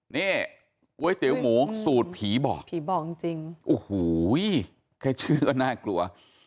นี่ก๋วยเตี๋ยวหมูสูตรผีบอกผีบอกจริงโอ้โหแค่ชื่อก็น่ากลัว